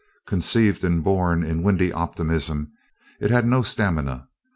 Conceived and born in windy optimism, it had no stamina.